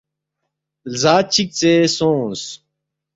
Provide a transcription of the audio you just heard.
لزا چِک ژے سونگس